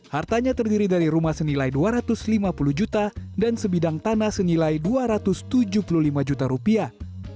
hartanya terdiri dari rumah senilai dua ratus lima puluh juta dan sebidang tanah senilai dua ratus tujuh puluh lima juta rupiah